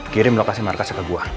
kirim lokasi markasnya ke gue